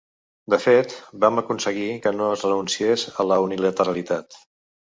De fet, vam aconseguir que no es renunciés a la unilateralitat.